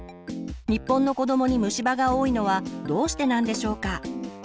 日本の子どもに虫歯が多いのはどうしてなんでしょうか？